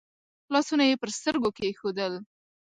لاسونه يې پر سترګو کېښودل.